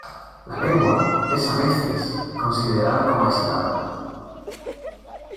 La lengua es a veces considerada como aislada.